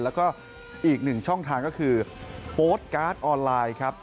แล้วก็อีกหนึ่งช่องทางก็คือโพสต์การ์ดออนไลน์ครับ